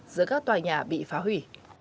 giữa các tòa nhà bị phá hủy